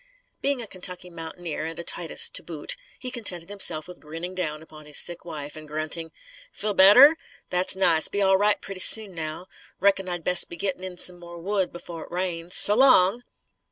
Being a Kentucky mountaineer, and a Titus to boot, he contented himself with grinning down upon his sick wife and grunting: "Feel better? That's nice. Be all right, pretty soon, now. Reckon I'd best be gittin' in some more wood, b'fore it rains. So long!"